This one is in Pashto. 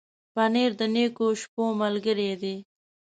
پنېر د نېکو شپو ملګری دی.